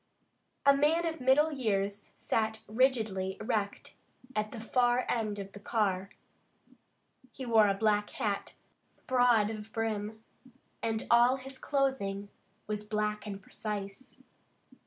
A man of middle years sat rigidly erect at the far end of the car. He wore a black hat, broad of brim, and all his clothing was black and precise.